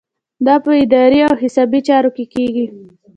دا په اداري او حسابي چارو کې کیږي.